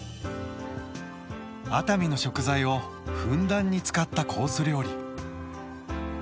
熱海の食材をふんだんに使ったコース料理。